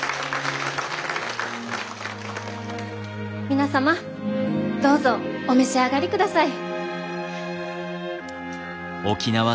皆様どうぞお召し上がりください。